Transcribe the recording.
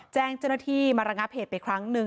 แจ้งเจ้าหน้าที่มาระงับเหตุไปครั้งหนึ่ง